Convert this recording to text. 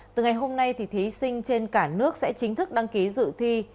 từ ngày hôm nay thí sinh trên cả nước sẽ chính thức đăng ký dự thi